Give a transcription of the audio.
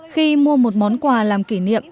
khi mua một món quà làm kỷ niệm